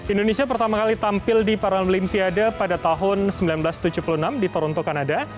indonesia pertama kali tampil di paralimpiade pada tahun seribu sembilan ratus tujuh puluh enam di toronto kanada